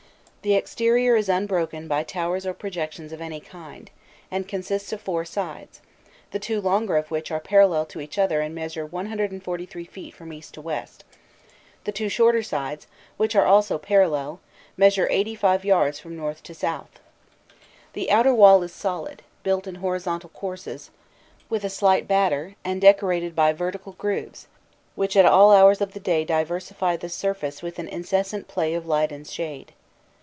The exterior is unbroken by towers or projections of any kind, and consists of four sides, the two longer of which are parallel to each other and measure 143 yards from east to west: the two shorter sides, which are also parallel, measure 85 yards from north to south. The outer wall is solid, built in horizontal courses, with a slight batter, and decorated by vertical grooves, which at all hours of the day diversify the surface with an incessant play of light and shade.